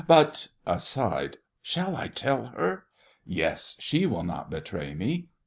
But—— (Aside.) Shall I tell her? Yes! She will not betray me!